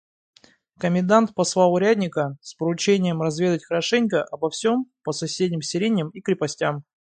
Комендант послал урядника с поручением разведать хорошенько обо всем по соседним селениям и крепостям.